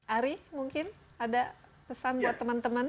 ari mungkin ada pesan buat teman teman